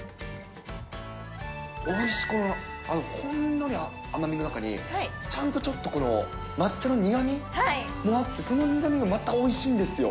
おいしい、ほんのり甘みの中に、ちゃんとちょっと、抹茶の苦みもあって、その苦みもまたおいしいんですよ。